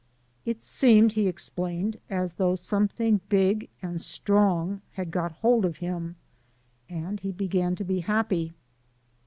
It seemed, he explained, as though something big and strong had got hold of him, and he began to be happy.